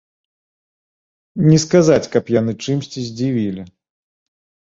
Не сказаць, каб яны чымсьці здзівілі.